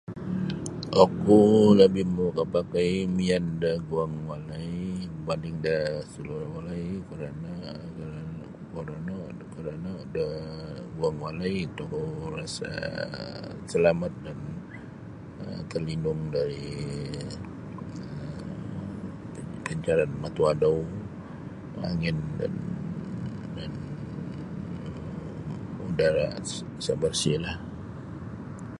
Oku labih makapakai mian da guang walai berbanding da salura walai kerana kerana kuo rono kuo rono da guang walai tokou rasa salamat dan terlindung dari um pancaran matu adau, angin dan udara isa bersih lah.